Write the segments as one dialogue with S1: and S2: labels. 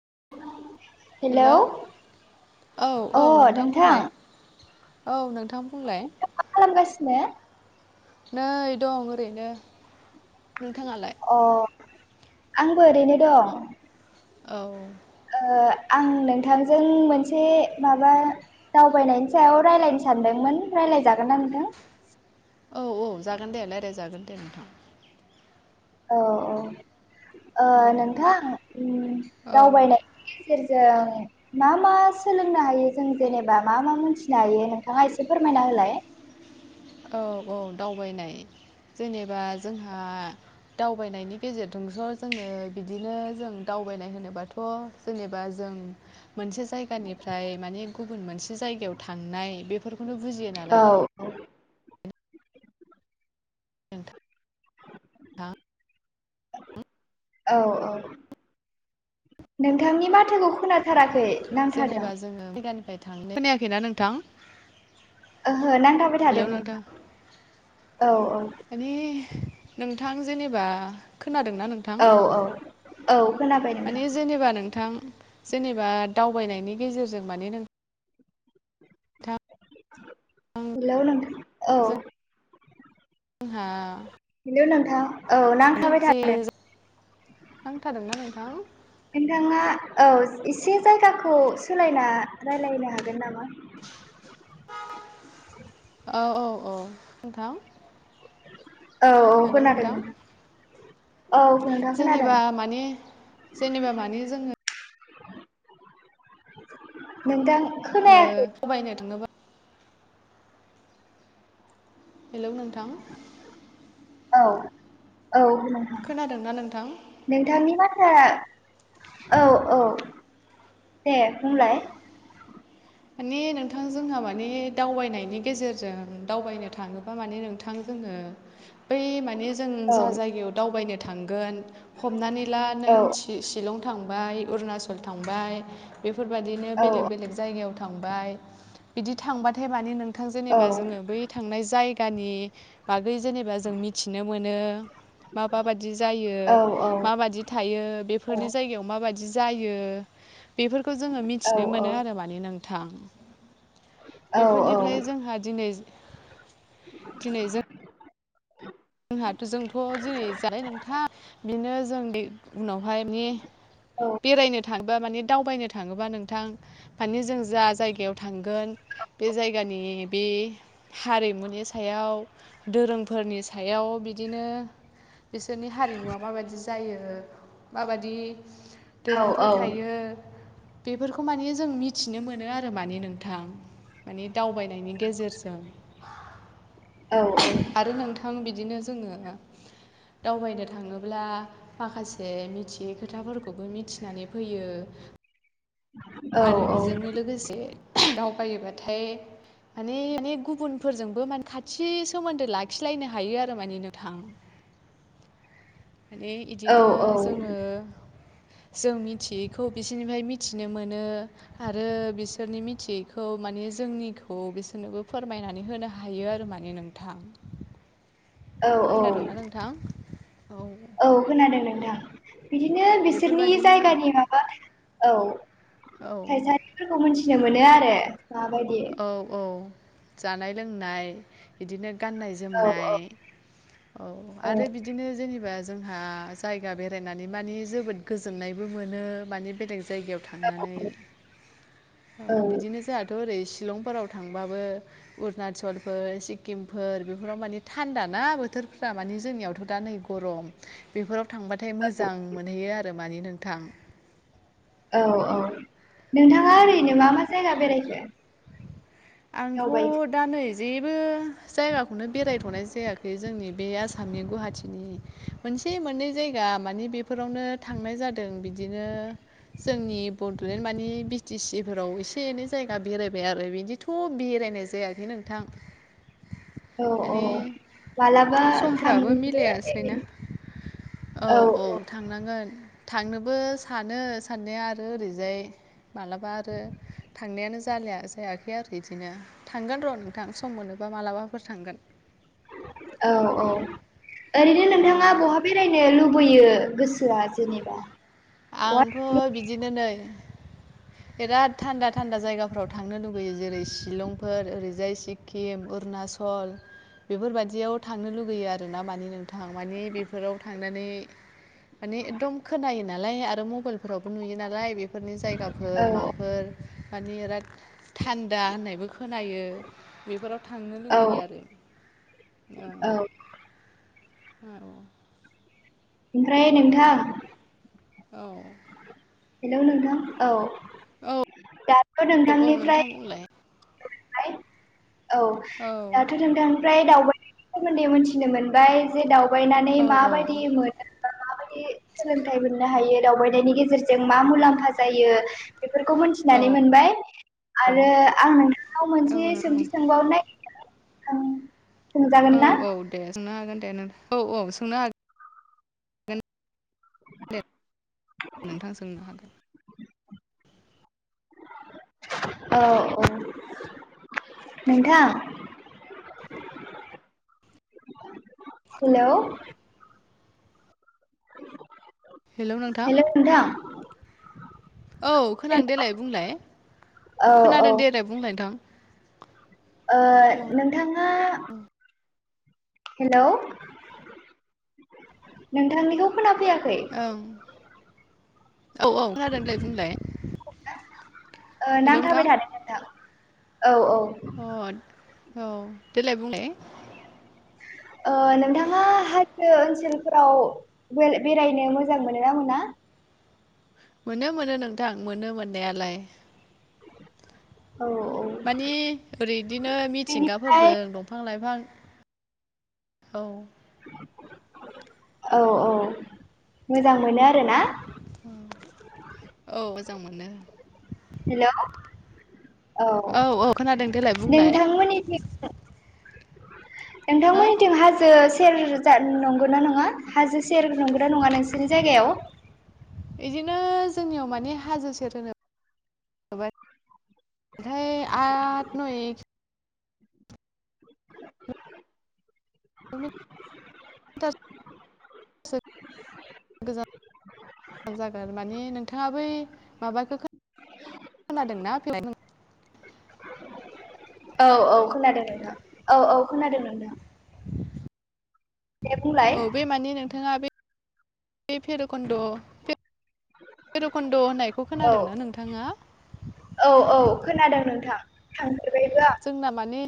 S1: [inaudible]
S2: Hello औ औ नोंथां बुंलाय। औ नोंथां बुंलाय।
S1: मा खालामगासिनो
S2: नै दं ओरैनो। नोंथाङालाय?
S1: अ आंबो ओरैनो दं।
S2: औ
S1: ओ आं नोंथांजों मोनसे माबा दावबायनायनि सायाव रायज्लायनो सानदोंमोन। रायलायजागोन ना नोंथां?
S2: औ औ जागोन दे लायराय जागोन दे नोंथां।
S1: औ औ नोंथां
S2: औ
S1: दावबायनायनि जों मा मा सोलोंनो हायो जों जेनेबा मा मा मिथिनो हायो नोंथाङा एसे फोरमायना होलाय।
S2: औ औ दावबायनाय जेनेबा जोंहा दावबायनायनि गेजेरजोंथ' जोङो बिदिनो जों दावबायनाय होनोबाथ' जेनेबा जों मोनसे जायगानिफ्राय माने गुबुन मोनसे जायगायाव थांनाय बे खोनो बुजियो
S1: औ
S2: नालाय। नोंथां
S1: औ औ नोंथांनि बाथ्राखौ खोनाथाराखै। नांथादों
S2: जेनेबा जोङो दाबसे जायगानिफ्राय थांनो, खोनायाखैना नोंथां?
S1: ओहो नांथाबाय थादों नोंथां। औ औ।
S2: माने नोंथां जेनेबा खोनादोंना नोंथां?
S1: औ औ खोनाबाय नोंथां
S2: माने जेनेबा नोंथां जेनेबा दावबायनायनि गेजेरजों माने नों
S1: हेलौ नोंथां औ।
S2: हा
S1: हेलौ नोंथां औ नांथाबाय थादों।
S2: नांथादोंना नोंथां
S1: नोंथाङा औ एसे जायगाखौ सोलायना रायलायनो हागोन नामा?
S2: औ औ औ नोंथां।
S1: औ औ
S2: हेलौ
S1: खोनादों
S2: नोंथां।
S1: औ नोंथां खोनादों
S2: जेनेबा माने जेनेबा माने जोङो
S1: नोंथां
S2: ओ
S1: खोनायाखै
S2: थाबायनो थाङोबा हेलौ नोंथां।
S1: औ औ नोंथां
S2: खोनादोंना नोंथां
S1: नोंथांनि बाथ्रा औ औ दे बुंलाय
S2: माने नोंथां जोंहा माने दावबायनायनि गेजेरजों दावबायनो थाङोबा माने नोंथां जोङो
S1: [inaudible]
S2: बै माने जों
S1: औ
S2: जा जायगायाव दावबायनो थांगोन हमनानै ला
S1: औ
S2: नों सिलं थांबाय अरुनाचल थांबाय बेफोरबायदिनो
S1: औ
S2: बेलेक बेलेग जायगायाव थांबाय बिदि थांबा नाथाय माने नोंथां
S1: औ
S2: जेनेबा जोङो बै थांनाय जायगानि बा बै जेनेबा जों मिथिनो मोनो। माबाबादि जायो
S1: औ
S2: माबादि थायो
S1: औ
S2: बेफोरनि जायगायाव माबादि जायो बेफोरखौ जोङो
S1: औ
S2: मिथिनो मोनो आरो माने नोंथां।
S1: औ
S2: बेफोरनिफ्राय जोंहा दिनै दिनै जों जोंहाथ जोंथ जेरै जानाय नोंथा बेनो जों उनाव बेवहाय माने बेरायनो थांदों। बा माने दावबायनो थाङोबा नोंथां माने जों जा जायगायाव थांगोन। बे जायगानि बे हारिमुनि सायाव दोरोंफोरनि फिथाइयाव बिदिनो बिसोरनि हारिमुवा माबायदि जायो। माबादि दोरोंफोर थायो। बेफोरखौ माने जों मिथिनो मोनो आरो माने नोंथां। माने दावबायनायनि गेजेरजों
S1: औ औ
S2: थां बिदिनो जोङो दावबायनो थाङोब्ला माखासे मिथियै खोथाफोरखौबो मिथिनानै फैयो।
S1: औ औ
S2: दाव बायोबाथाय माने माने गुबुनफोरजोंबो माने खाथि सोमोन्दो लाखिलायनो हायो आरो माने नोंथां
S1: [inaudible]
S2: माने इदिनो
S1: औ
S2: जोङो जों मिथियैखौ बिसोरनिफ्राय मिथिनो मोनो। आरो बिसोरनि मिथियैखौ माने जोंनिखौ बिसोरनोबो फोरमायनानै होनो। हायो आरो माने नोंथां
S1: [inaudible]
S2: खोनादोंना नोंथां। औ
S1: औ खोनादों नोंथां बिदिनो बिसोरनि
S2: बेफोरबादिनो
S1: जायगानि माबा औ
S2: औ
S1: थायसारिफोरखौ मिथिनो मोनो आरो। माबायदि
S2: औ औ जानाय लोंनाय बिदिनो गाननाय
S1: औ औ
S2: जोमनाय औ आरो बिदिनो जेनेबा जोंहा जायगा बेरायनानै मानि जोबोद गोजोननायबो मोनो मानि बेराय जायगायाव थांनानै
S1: औ
S2: बिदिनो जोंहाथ' ओरै शिलंफोराव थांबाबो अरुणाचलफोर सिक्किमफोर बेफोराव माने थान्दा ना बोथोरफ्रा माने जोंनियावथ' दा नै गरम बेफोराव थांबाथाय मोजांमोनैयो आरो नोंथां।
S1: औ औ नोंथाङा ओरैनो मा मा जायगा बेरायखो
S2: आंथ'
S1: दावबायखो
S2: दा नै जेबो जायगाखौनो बेरायथ'नाय जायाखै जोंनि बे आसामनि गुवाहाटिनि मोनसे मोनसे मोननै जायगा मानिे बेफोरावनो थांनाय जादों बिदिनो जोंनि बड'लेण्ड मानि बि टि सिफोराव एसे एनै जायगा बेरायबाय आरो बिदि थ' बेरायनाय जायाखै नोंथां।
S1: औ औ
S2: माने
S1: मालाबा थांदो
S2: समफ्राबो मिलायासैना
S1: बेरायनो।
S2: औ औ थांनांगोन। थांनोबो सानो साननाया आरो ओरैजाय मालाबा आरो थांनायानो जा जायाखै आरो बिदिनो थांगोन र' नोंथां सम मोनोबा मालाबाफोर थांगोन।
S1: औ औ ओरैनो
S2: औ
S1: नोंथाङा बहा बेरायनो लुबैयो गोसो आ जेनेबा बहा थांनो
S2: आंथ' बिदिनो नै
S1: [inaudible]
S2: बिराद थान्दा थान्दा जायगाफ्राव थांनो लुुबैयो जेरै शिलंफोर ओरैजाय सिक्किम अुणना सल बेफोरबायदियाव थांनो लुुबैयो आरोना मानि नों थां माने बेफोराव थांनानै मानि एकदम खोनायो। नालाय आरो मबाइलफोरावबो नुयो नालाय बेफोरनि जायगाफोर माफोर मानि बिराद थान्दा होननायबो खोनायो बेफोराव थांनो
S1: औ
S2: लुुबैयो आरो।
S1: औ
S2: औ औ औ
S1: ओमफ्राय नोंथां
S2: ओं
S1: हेलौ नोंथां औ
S2: औ औ
S1: दाथ'
S2: औ औ
S1: नोंथांनिफ्राय
S2: नोंथां बुंलाय
S1: औ
S2: औ
S1: दाथ' नोंथांनिफ्राय दावबायनायनि सोमोन्दै मिथिनो मोनबाय दावबायनानै
S2: औ
S1: माबायदि मोनो माबायदि सोलोंथाइ मोननो हायो दावबाय नायनि गेजेरजों मा मुलाम्फा जायो बेफोरखौ मोनथिनानै
S2: औ
S1: मोनबाय आरो आं नोंथांनाव
S2: औ
S1: मोनसे
S2: नोंथां
S1: सोंथि सोंबावनो नागिरदों सोंजागोन
S2: औ
S1: ना
S2: औ दे सोंनो हागोन दे नों औ औ सोंनो हागोन। नोंथां सोंनो हागोन।
S1: औ औ नोंथां हेल'
S2: हेलौ नोंथां
S1: हेल' नोंथां।
S2: औ खोनादों देलाय बुंलाय
S1: औ औ
S2: खोनादों
S1: ओ
S2: देलाय बुंलाय नोंथां।
S1: ओ
S2: औ
S1: नोंथाङा हेलौ नोंथांनिखौ खोनाफैयाखै।
S2: औ औ औ खोनादोंलै बुंलाय
S1: ओ
S2: हेल'
S1: नांथाबाय
S2: नोंथां।
S1: थादों नोंथां औ औ
S2: अ औ देलाय बुंनाय।
S1: [inaudible] नोंथाङा हाजो ओनसोलफोराव बेरायनो मोजां मोनो ना मोना?
S2: मोनो मोनो नोंथां मोनो मोननायालाय।
S1: औ औ
S2: माने ओरैदिनो
S1: बेनिफ्राय
S2: मिथिंगाफोरजों दंफां लाइफां औ
S1: औ औ मोजां मोनो आरोना
S2: औ मोजां मोनो।
S1: हेल' औ
S2: औ खोनादों देलाय बुंलाय
S1: नोंथांमोननि
S2: हो
S1: नोंथांमोननिथिं हाजो सेर नंगौ ना नङा नङा हाजो सेर नंगौ ना नङा नोंसोरनि जायगायाव?
S2: बिदिनो जोंनियाव माने हाजो सेर होनोबा [unintelligible] आथ नुय
S1: [unintelligible]
S2: गोजान गोजान जागोन माने नोंथाङा बै माबाखौ खोना खोनादोंना फाय [unintelligible]
S1: औ औ खोनादों नोंथां औ औ खोनादों नोंथां दे बुंलाय
S2: औ बे मानि नोंथाङा बे भैरकुनदु'
S1: [inaudible] औ
S2: खोनादोंना नोंथाङा
S1: औ औ खोनादों नोंथां थांफेरबायबो
S2: जोंना माने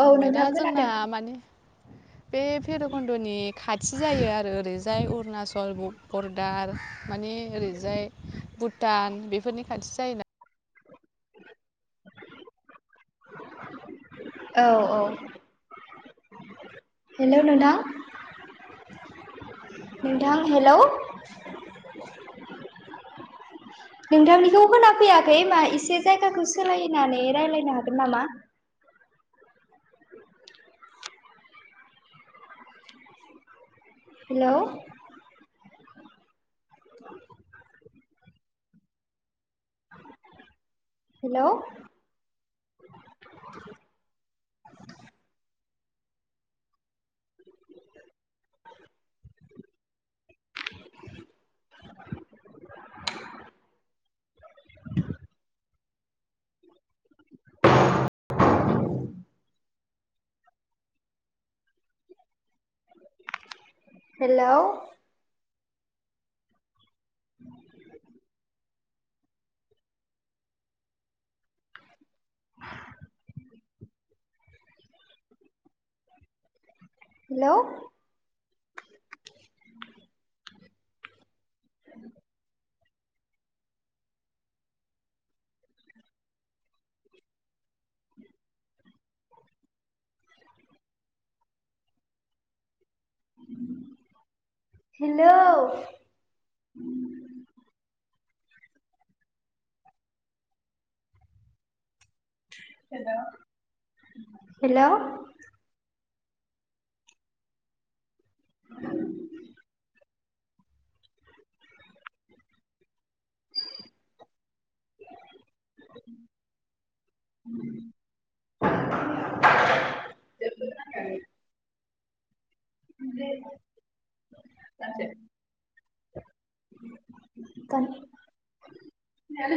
S1: औ नोंथां
S2: थांबायना जोंना
S1: खोनादों
S2: माने बे भैरबकुनदनि खाथि जायो आरो ओरैजाय अरुणचल बरदार मानि ओरैजाय भुटान बेफोरनि खाथि जायोना।
S1: [unintelligible] औ औ हेलौ नोंथां। नोंथां हेलौ नोंथांनिखौ खोनाफैयाखै मा एसे जायगाखौ सोलायनानै रायजलायनो हागोन नामा? Hello hello [inaudible] [unintelligible] [unintelligible] hello [inaudible] hello [inaudible] [unintelligible] hello hello hello [unintelligible] ओमफ्राय [unintelligible] [unintelligible]